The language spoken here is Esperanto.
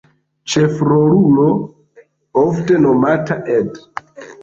Ĉefrolulo, ofte nomata "Ed".